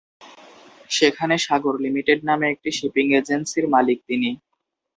সেখানে ‘সাগর লিমিটেড’ নামে একটি শিপিং এজেন্সির মালিক তিনি।